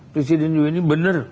presiden jokowi ini benar